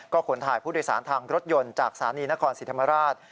ขนถ่ายผู้โดยสารทางรถยนต์จากสถานีนครศรีธรรมราช